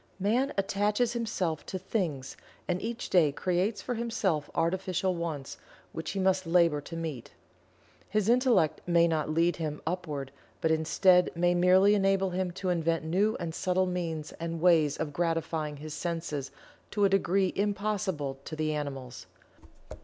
Man attaches himself to "things," and each day creates for himself artificial wants, which he must labor to meet. His Intellect may not lead him upward, but instead may merely enable him to invent new and subtle means and ways of gratifying his senses to a degree impossible to the animals.